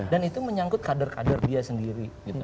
dan itu menyangkut kader kader dia sendiri